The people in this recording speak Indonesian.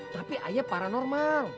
tapi ayah paranormal